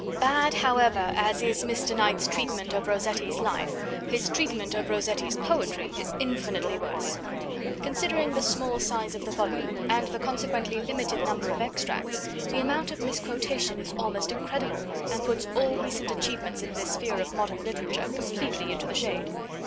Bad, however, as is Mr. Knight's treatment of Rossetti's life, his treatment of Rossetti's poetry is infinitely worse. Considering the small size of the volume, and the consequently limited number of extracts, the amount of misquotation is almost incredible, and puts all recent achievements in this sphere of modern literature completely into the shade.